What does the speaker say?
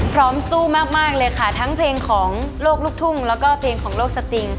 สู้มากเลยค่ะทั้งเพลงของโลกลูกทุ่งแล้วก็เพลงของโลกสติง